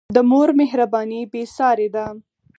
د مور مهرباني بېساری ده.